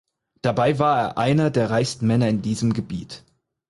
Dabei war er einer der reichsten Männer in diesem Gebiet.